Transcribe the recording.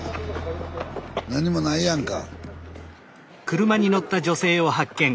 何もないやんか。